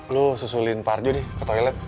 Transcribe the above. lo susulin pak arjo deh ke toilet